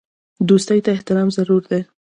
دوستۍ ته احترام ضروري دی.